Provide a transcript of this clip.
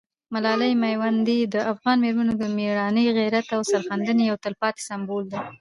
ملالۍ میوندۍ د افغان مېرمنو د مېړانې، غیرت او سرښندنې یو تلپاتې سمبول ده.